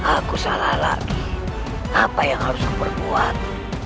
aku salah lagi apa yang harus berbuat